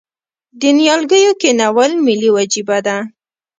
د نیالګیو کینول ملي وجیبه ده؟